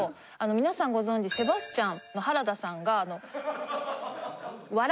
皆さんご存じセバスチャンの原田さんが笑